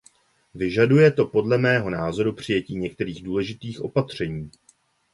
Vyžaduje to podle mého názoru přijetí některých důležitých opatření.